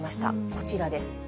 こちらです。